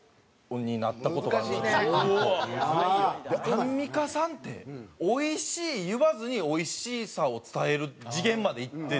アンミカさんって「おいしい」言わずにおいしさを伝える次元までいってたんですよ。